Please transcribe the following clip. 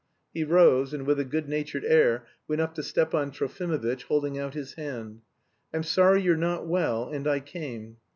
He rose, and with a good natured air went up to Stepan Trofimovitch, holding out his hand. "I'm sorry you're not well, and I came."